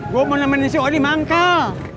gue mau nemenin si odi manggal